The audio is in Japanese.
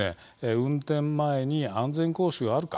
運転前に安全講習があるか